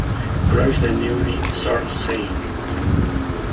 Croix de Neuilly-sur-Seine.